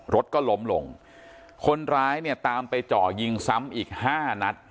รถก็ล้มลงคนร้ายเนี่ยตามไปเจาะยิงซ้ำอีกห้านัด